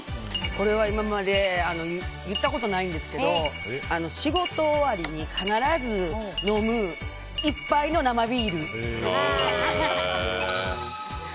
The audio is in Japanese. これは今まで言ったことないんですけど仕事終わりに必ず飲む一杯の生ビール。